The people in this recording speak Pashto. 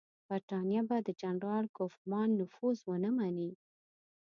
برټانیه به د جنرال کوفمان نفوذ ونه مني.